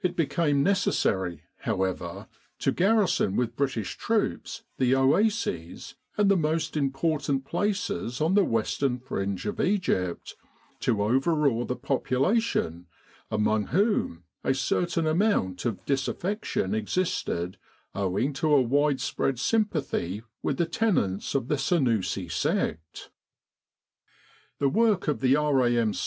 It became necessary, however, to garrison with British troops the oases and the most important places on the western fringe of Egypt, to overawe the population, among whom a certain amount of disaffection existed owing to a wide spread sympathy with the tenets of the Sennussi sect. The work of the R.A.M.